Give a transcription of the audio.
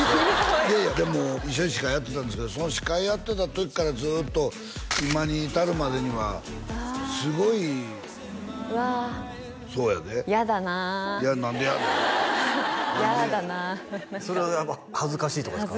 いやいやでも一緒に司会やってたんですけどその司会やってた時からずっと今に至るまでにはすごいわあそうやで嫌だな何でやねん嫌だな何かそれは恥ずかしいとかですか？